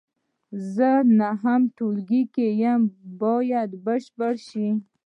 زه نهم ټولګي کې یم باید بشپړ شي.